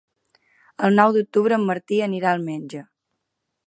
El nou d'octubre en Martí anirà al metge.